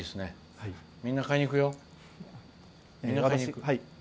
みんな買いに行くよ。